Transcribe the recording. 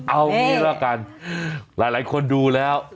เอ้านี่แล้วกันหลายคนดูแล้ว